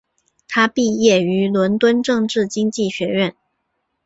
他毕业于伦敦政治经济学院。